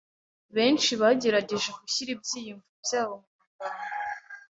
Benshi bagerageje gushyira ibyiyumvo byabo mumagambo.